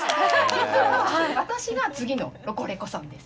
実は、私が次のロコレコさんです。